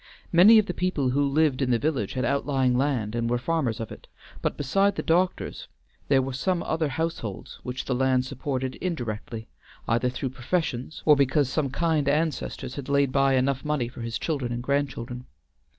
Many of the people who lived in the village had outlying land and were farmers of it, but beside the doctor's there were some other households which the land supported indirectly, either through professions or because some kind ancestor had laid by enough money for his children and grandchildren.